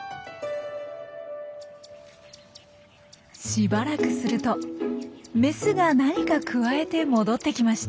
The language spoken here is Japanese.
しばらくするとメスが何かくわえて戻ってきました。